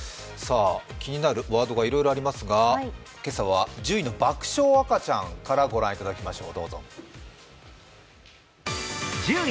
気になるワードがいろいろありますが、今朝は１０位の爆笑赤ちゃんから御覧いただきましょう。